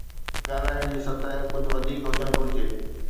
ڳالهائڻ جي سطح ڪجهه وڌيڪ هجڻ گهرجي.